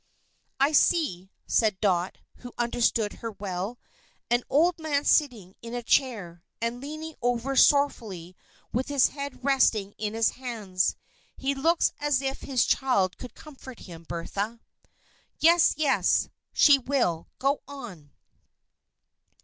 "I see," said Dot, who understood her well, "an old man sitting in a chair, and leaning over sorrowfully with his head resting in his hands. He looks as if his child should comfort him, Bertha." "Yes, yes. She will. Go on."